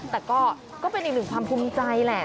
แต่ก็เป็นอีกหนึ่งความภูมิใจแหละ